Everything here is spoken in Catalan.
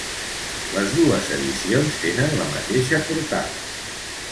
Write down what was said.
Les dos edicions tenen la mateixa portada.